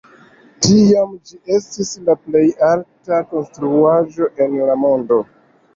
Tiam ĝi estis la plej alta konstruaĵo en la mondo.